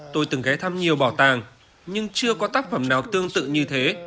tôi từng ghé thăm nhiều bảo tàng nhưng chưa có tác phẩm nào tương tự như thế